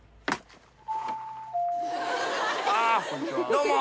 どうも。